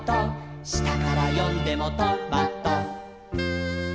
「したからよんでもト・マ・ト」